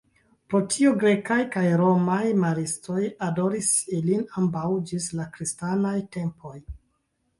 Pro tio grekaj kaj romaj maristoj adoris ilin ambaŭ ĝis la kristanaj tempoj.